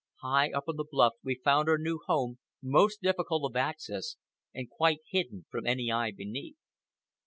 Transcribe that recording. High up on the bluff we found our new home most difficult of access and quite hidden from any eye beneath.